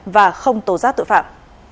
và không tổ giác tội phạm